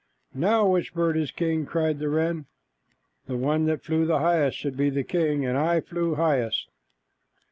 "Now which bird is king?" cried the wren. "The one that flew highest should be king, and I flew highest."